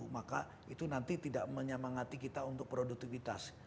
maka itu nanti tidak menyemangati kita untuk produktivitas